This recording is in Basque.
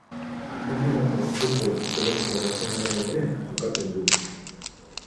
Argentinako futbol selekzio nazionalean ere jokatzen du.